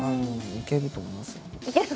「いけると思います」。